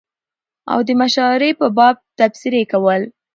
او دمشاعرې په باب تبصرې کول